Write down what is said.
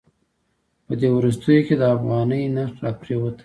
په دې وروستیو کې د افغانۍ نرخ راپریوتی.